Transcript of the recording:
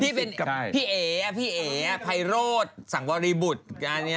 พี่เป็นพี่เอ๋พี่เอ๋ไพโรธสังวริบุตร